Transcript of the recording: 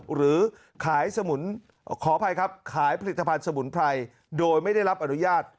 หรือขายผลิตภัณฑ์สมุนไพรโดยไม่ได้รับอนุญาต